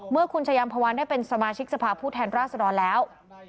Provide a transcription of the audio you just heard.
เมื่อคุณชายามพวานได้เป็นสมาชิกสภาพผู้แทนราชดรแล้ว